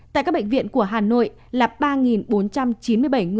tại các bệnh viện của hà nội là ba bốn trăm chín mươi bảy người